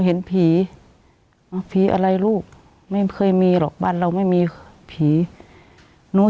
เห็นผีผีอะไรลูกไม่เคยมีหรอกบ้านเราไม่มีผีหนู